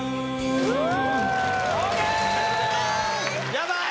やばい